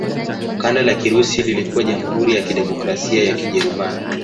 Kanda la Kirusi lilikuwa Jamhuri ya Kidemokrasia ya Kijerumani.